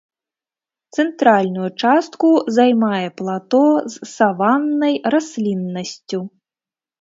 Цэнтральную частку займае плато з саваннай расліннасцю.